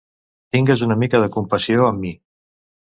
Tingues una mica de compassió amb mi!